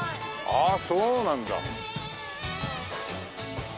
ああそうなんだ。